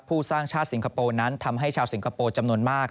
สร้างชาติสิงคโปร์นั้นทำให้ชาวสิงคโปร์จำนวนมาก